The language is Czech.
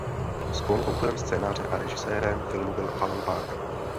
Spoluautorem scénáře a režisérem filmu byl Alan Parker.